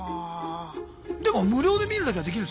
でも無料で見るだけはできるんですよね？